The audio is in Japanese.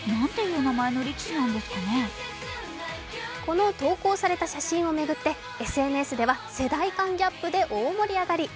この投稿された写真を巡ってＳＮＳでは世代間ギャップで大盛り上がり。